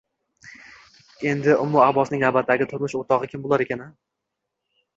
Endi Ummu Abbosning navbatdagi turmush o`rtog`i kim bo`lar ekan-a